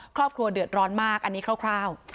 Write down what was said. ครอบครัวเดือดร้อนมากอันนี้คร่าว